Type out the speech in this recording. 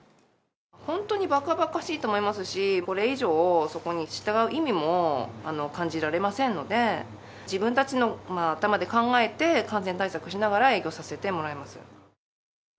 本当にばかばかしいと思いますし、これ以上、そこに従う意味も感じられませんので、自分たちの頭で考えて、感染対策をしながら営業させてもらいます。